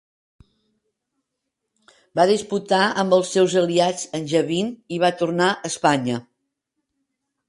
Va disputar amb els seus aliats Angevin i va tornar a Espanya.